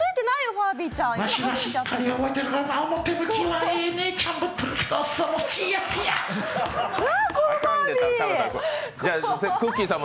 ファービーちゃん